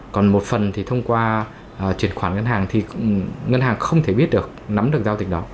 còn một phần thì thông qua truyền khoản ngân hàng thì ngân hàng không thể biết được nắm được giao dịch đó